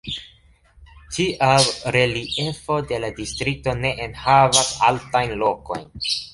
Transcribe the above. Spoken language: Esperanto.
Tial reliefo de la distrikto ne enhavas altajn lokojn.